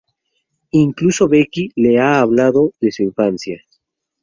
Incluso Becky le ha hablado desde su infancia.